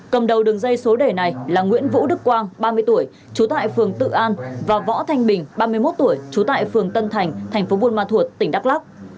cầm đầu đường dây số đề này là nguyễn vũ đức quang ba mươi tuổi trú tại phường tự an và võ thanh bình ba mươi một tuổi trú tại phường tân thành thành phố buôn ma thuột tỉnh đắk lắc